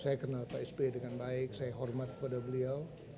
saya kenal pak sp dengan baik saya hormat kepada beliau